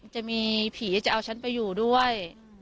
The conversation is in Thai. จะมีผีจะเอาฉันไปอยู่ด้วย